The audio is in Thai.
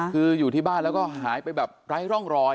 คืออยู่ที่บ้านแล้วก็หายไปแบบไร้ร่องรอย